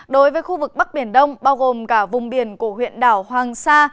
đối với khu vực bắc biển đông bao gồm cả vùng biển của huyện đảo hoàng sa